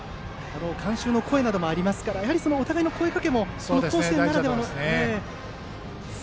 観衆の声などもありますから、お互いの声かけも甲子園ならではのものですね。